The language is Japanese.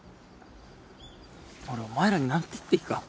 俺お前らに何て言っていいか。